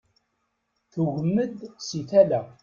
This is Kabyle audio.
Tugem-d si tala.